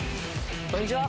こんにちは。